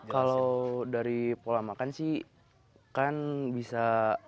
kalau dari pola makan sih kan bisa